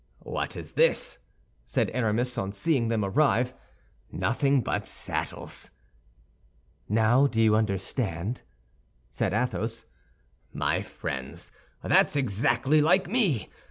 "What is this?" said Aramis, on seeing them arrive. "Nothing but saddles?" "Now do you understand?" said Athos. "My friends, that's exactly like me!